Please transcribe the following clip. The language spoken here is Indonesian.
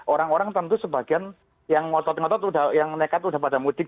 orang orang tentu sebagian yang ngotot ngotot yang nekat udah pada mudik